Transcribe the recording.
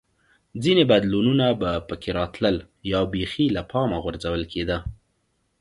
ځیني بدلونونه به په کې راتلل یا بېخي له پامه غورځول کېده